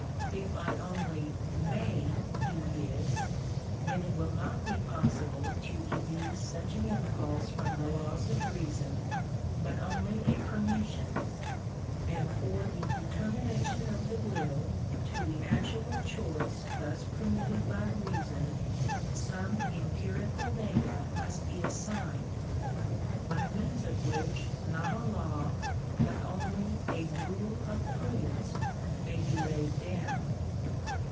If I only may do this, then it will not be possible to educe such an impulse from the laws of Eeason, but only a permission; — and for the determination of the will to the actual choice thus permitted by Reason, some empirical H LECTURE III. data must be assigned, by moans of which not a law, but only a rule of prudence, may be laid down.